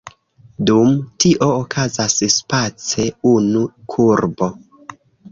Dum tio okazas space unu kurbo.